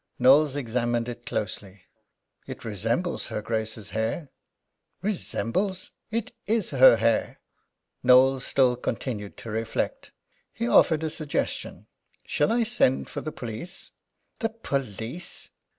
Knowles examined it closely. "It resembles her Grace's hair." "Resembles! It is her hair." Knowles still continued to reflect. He offered a suggestion. "Shall I send for the police?" "The police!